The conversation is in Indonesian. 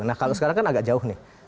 nah kalau sekarang kan agak jauh nih